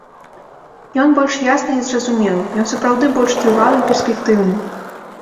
Ён больш ясны і зразумелы, ён сапраўды больш трывалы і перспектыўны.